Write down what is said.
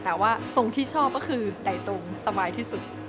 แต่ว่าทรงที่ชอบก็คือใดตรงสบายที่สุด